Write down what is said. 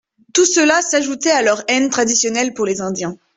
Tout cela s'ajoutait à leur haine traditionnelle pour les Indiens.